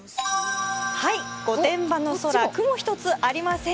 御殿場の空、雲一つありません。